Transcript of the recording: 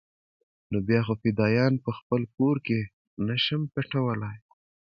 نو بيا خو فدايان په خپل کور کښې نه شم پټولاى.